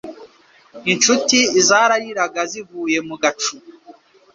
Incuti zarariraga zivuye mu gacu.